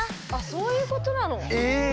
そういうことなの？